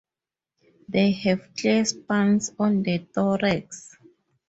They have clear spines on the thorax.